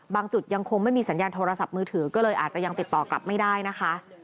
จุดยังคงไม่มีสัญญาณโทรศัพท์มือถือก็เลยอาจจะยังติดต่อกลับไม่ได้นะคะ